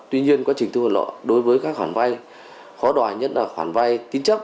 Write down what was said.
tuy nhiên quá trình thu hồi nợ đối với các khoản vay khó đòi nhất là khoản vay tín chấp